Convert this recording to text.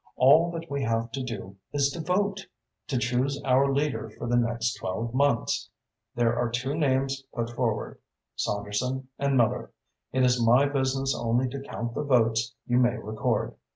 All that we have to do is to vote, to choose our leader for the next twelve months. There are two names put forward Saunderson and Miller. It is my business only to count the votes you may record.